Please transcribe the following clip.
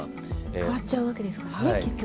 替わっちゃうわけですからね結局。